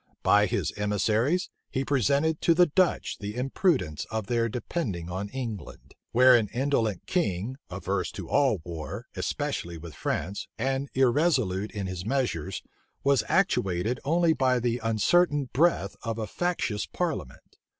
By his emissaries, he represented to the Dutch the imprudence of their depending on England; where an indolent king, averse to all war, especially with France, and irresolute in his measures, was actuated only by the uncertain breath of a factious parliament.